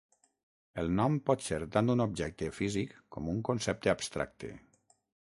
El nom pot ser tant un objecte físic com un concepte abstracte.